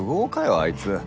あいつ。